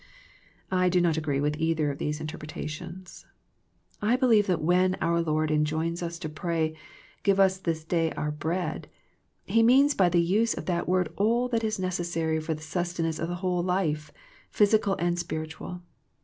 I do not agree with either of these interpretations. I believe that when our Lord enjoins us to pray " Give us this day our bread " He means by the use of that word all that is necessary for the sustenance of the whole life, physical and spiritual.